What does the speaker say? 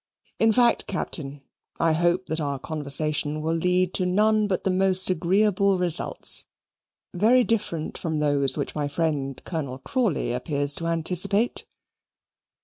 In fact, Captain, I hope that our conversation will lead to none but the most agreeable results, very different from those which my friend Colonel Crawley appears to anticipate."